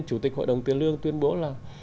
chủ tịch hội đồng tiền lương tuyên bố là